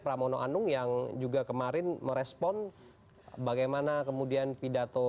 pramono anung yang juga kemarin merespon bagaimana kemudian pidato